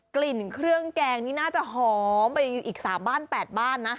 กลิ่นเครื่องแกงนี่น่าจะหอมไปอีก๓บ้าน๘บ้านนะ